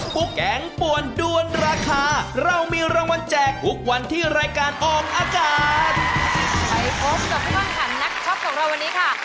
พบกับทุกคนค่ะนักชอบกับเราวันนี้ค่ะ